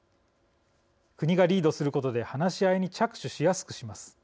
国がリードすることで話し合いに着手しやすくします。